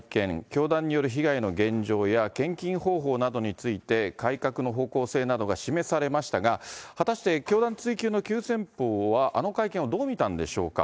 教団による被害の現状や、献金方法などについて、改革の方向性などを示されましたが、果たして教団追及の急先ぽうは、あの会見をどう見たんでしょうか。